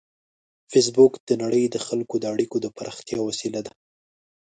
فېسبوک د نړۍ د خلکو د اړیکو د پراختیا وسیله ده